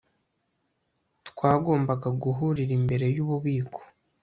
twagombaga guhurira imbere yububiko